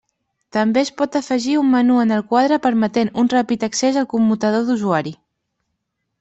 També es pot afegir un menú en el quadre permetent un ràpid accés al commutador d'usuari.